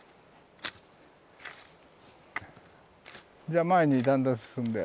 じゃあ前にだんだん進んで。